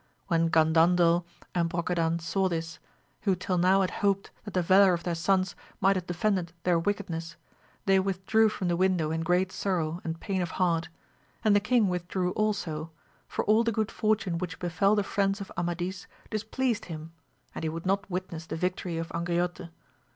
When Gandandel and Bro 144 AMADIS OF GAUL cadan saw this, who till now had hoped that the valour of their sons might have defended their wick edness they withdrew from the' window in great sorrow and pain of heart, and the king withdrew also, for all the good fortune which befell the friends of Amadis displeased him, and he would not witness the victory of Angriote.